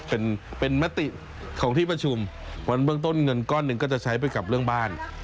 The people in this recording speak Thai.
เป็นเป็นมติของที่ประชุมวันเบื้องต้นเงินก้อนหนึ่งก็จะใช้ไปกับเรื่องบ้าน